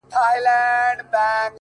قاضي صاحبه ملامت نه یم _ بچي وږي وه _